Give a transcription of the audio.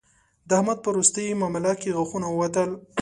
د احمد په روستۍ مامله کې غاښونه ووتل